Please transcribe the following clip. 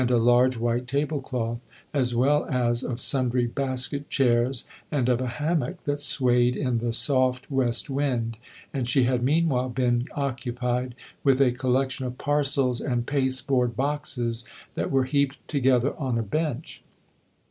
a large white tablecloth, as well as of sundry basket chairs and of a hammock that swayed in the soft west wind ; and she had meanwhile been occupied with a collection of parcels and paste board boxes that were heaped together on a bench.